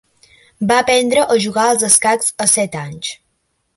Va aprendre a jugar als escacs a set anys.